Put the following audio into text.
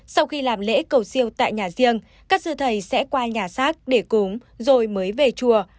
sau khi làm lễ cầu siêu tại nhà riêng các sư thầy sẽ qua nhà xác để cúm rồi mới về chùa